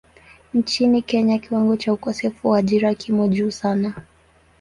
Nchini Kenya kiwango cha ukosefu wa ajira kimo juu sana.